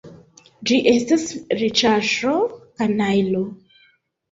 Ĝi estas riĉaĵo, kanajlo!